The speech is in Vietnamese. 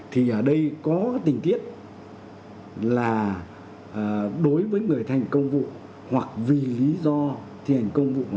thì ở đây có cái tình tiết là đối với người thi hành công vụ hoặc vì lý do thi hành công vụ này